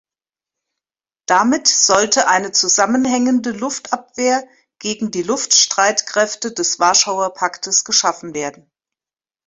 Damit sollte eine zusammenhängende Luftabwehr gegen die Luftstreitkräfte des Warschauer Paktes geschaffen werde.